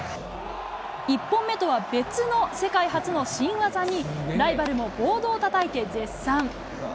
１本目とは別の世界初の新技に、ライバルもボードをたたいて絶賛。